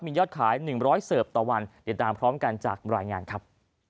มียอดขาย๑๐๐เสิร์ฟต่อวันติดตามพร้อมกันจากรายงานครับ